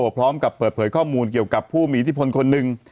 พร้อมกับเปิดเผยข้อมูลเกี่ยวกับผู้มีอิทธิพลคนหนึ่ง